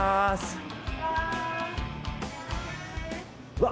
うわ！